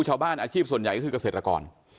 อาชีพส่วนใหญ่ก็คือเกษตรกร